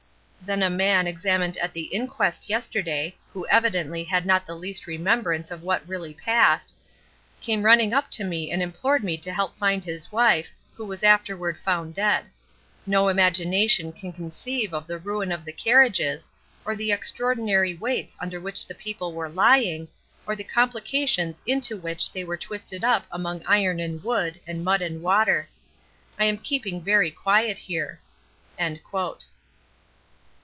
Then a man examined at the inquest yesterday (who evidently had not the least remembrance of what really passed) came running up to me and implored me to help him find his wife, who was afterward found dead. No imagination can conceive the ruin of the carriages, or the extraordinary weights under which the people were lying, or the complications into which they were twisted up among iron and wood, and mud and water. I am keeping very quiet here."